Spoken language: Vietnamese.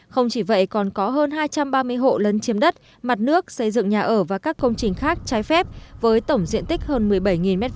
không chỉ vậy còn có hơn hai trăm ba mươi hộ lấn chiếm đất mặt nước xây dựng nhà ở và các công trình khác trái phép với tổng diện tích hơn một mươi bảy m hai